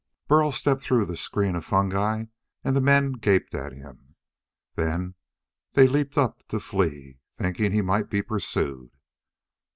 Burl stepped through the screen of fungi and men gaped at him. Then they leaped up to flee, thinking he might be pursued.